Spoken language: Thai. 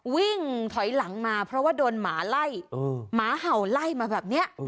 วิ่งถอยหลังมาเพราะว่าโดนหมาไล่หมาเห่าไล่มาแบบนี้